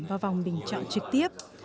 vào vòng bình chọn trực tiếp